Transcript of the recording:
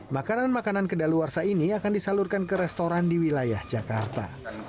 makanan makanan kedaluarsa ini akan disalurkan ke restoran di wilayah jakarta